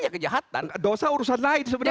kejahatan dosa urusan lain sebenarnya